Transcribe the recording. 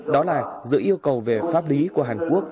đó là giữa yêu cầu về pháp lý của hàn quốc